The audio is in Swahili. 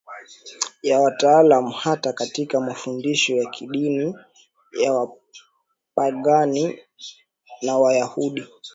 ya wataalamu hata katika mafundisho ya kidini ya Wapagani na Wayahudi